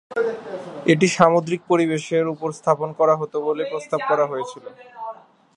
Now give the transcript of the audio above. এটি সামুদ্রিক পরিবেশের উপর স্থাপন করা হতো বলে প্রস্তাব করা হয়েছিল।